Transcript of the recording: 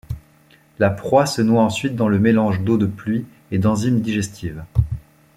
La proie se noie ensuite dans le mélange d'eau de pluie et d'enzymes digestives.